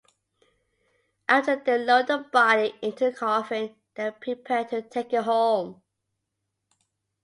After they load the body into a coffin they prepare to take it home.